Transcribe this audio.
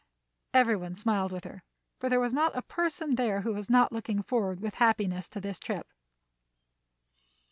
Every one smiled with her, for there was not a person there who was not looking forward with happiness to this trip.